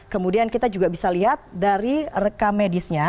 kemudian kita juga bisa lihat dari rekamedisnya